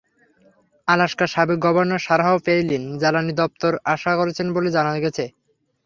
আলাস্কার সাবেক governor Sarah Palin জ্বালানি দপ্তর আশা করছেন বলে জানা গেছে।